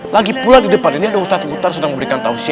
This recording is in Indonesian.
lagi pula di depan ini ada ustaz muntar sedang memberikan tausis